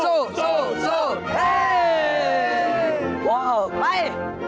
สู้สู้เฮ้ย